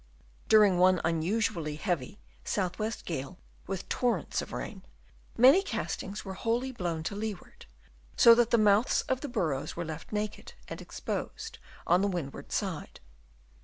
During one un usually heavy south west gale with torrents of rain, many castings were wholly blown to leeward, so that the mouths of the burrows were left naked and exposed on the windward side.